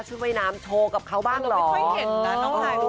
ชุดว่ายน้ำโชว์กับเขาบ้างเหรอนะ